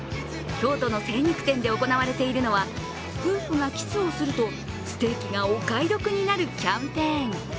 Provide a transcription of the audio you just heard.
京都の精肉店で行われているのは夫婦がキスをするとステーキがお買い得になるキャンペーン。